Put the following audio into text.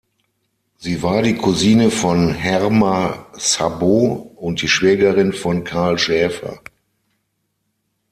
Sie war die Cousine von Herma Szabó und die Schwägerin von Karl Schäfer.